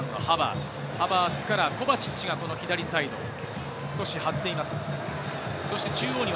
ハバーツからコバチッチが左サイド。